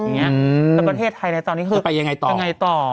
แต่ประเทศไทยในตอนนี้คือไปยังไงต่อ